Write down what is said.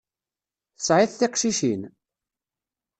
Tesɛiḍ tiqcicin?